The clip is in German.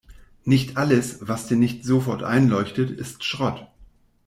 Nicht alles, was dir nicht sofort einleuchtet, ist Schrott.